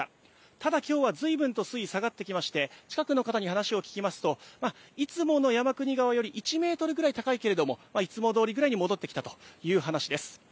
ただきょうはずいぶんと水位下がってきまして、近くの方に話を聞きますと、いつもの山国川より１ｍぐらい高いけれども、いつも通りぐらいに戻ってきたという話です。